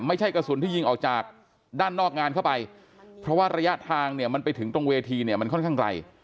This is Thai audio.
ไม่ใช่กระสุนที่ยิงออกจากด้านนอกงานเข้าไปเพราะว่าระยะทางเนี่ยมันไปถึงตรงเวทีเนี่ยมันค่อนข้างไกล